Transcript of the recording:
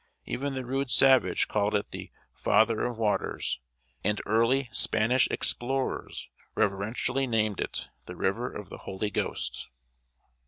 Even the rude savage called it the "Father of Waters," and early Spanish explorers reverentially named it the "River of the Holy Ghost."